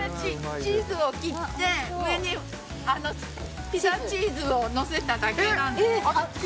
チーズを切って上にピザチーズをのせただけなんです。